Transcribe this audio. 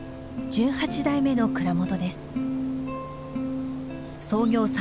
１８代目の蔵元です。